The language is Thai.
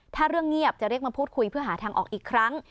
ถ้าเรื่องเงียบจะเรียกมาพูดคุยเพื่อหาทางออกอีกครั้ง